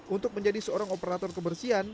untuk menjadi seorang operator kebersihan